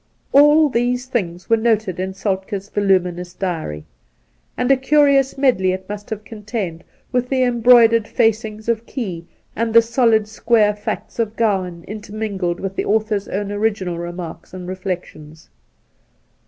All these things were noted in Soltk^'s volumi nous diary ; and a curious medley, it must have containedy with the embroidered facings of Key and the solid square facts of Gowan intermingled with the author's own original remarks and reflec tions.